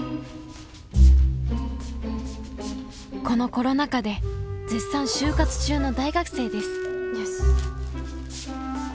このコロナ禍で絶賛就活中の大学生ですよし。